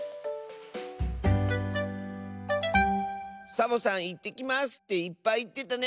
サボさん「いってきます」っていっぱいいってたね。